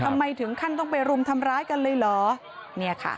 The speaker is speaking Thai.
ทำไมถึงขั้นต้องไปรุมทำร้ายกันเลยเหรอเนี่ยค่ะ